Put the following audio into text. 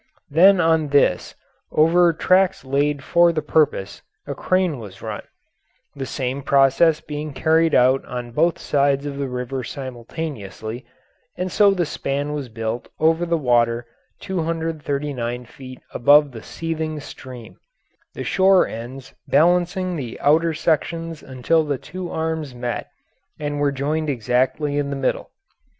Then on this, over tracks laid for the purpose, a crane was run (the same process being carried out on both sides of the river simultaneously), and so the span was built over the water 239 feet above the seething stream, the shore ends balancing the outer sections until the two arms met and were joined exactly in the middle.